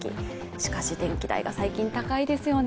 しかし電気代が最近高いですよね。